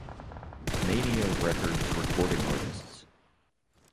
Mania Records recording artists.